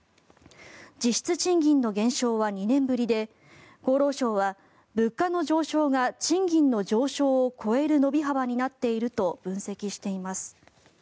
実質賃金の減少は２年ぶりで厚労省は、物価の上昇が賃金の上昇を超える伸び幅になっていると分析しています。